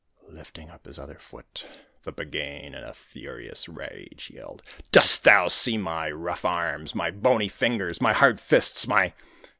Lifting up his other foot, the Buggane, in a furious rage, yelled: 'Dost thou see my rough arms, my bony fingers, my hard fists, my